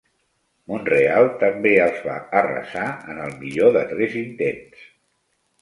Montreal també els va arrasar en el millor de tres intents.